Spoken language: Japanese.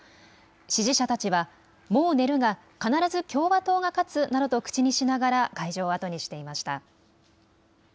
支持者たちは、もう寝るが必ず共和党が勝つなどと口にしながら会場を後にしていました。